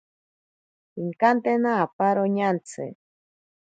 Pinkantena aparo ñantsi.